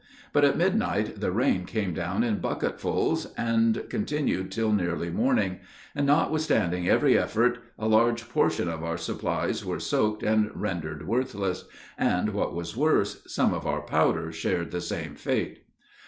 But at midnight the rain came down in bucketfuls, and continued till nearly morning; and, notwithstanding every effort, a large portion of our supplies were soaked and rendered worthless, and, what was worse, some of our powder shared the same fate.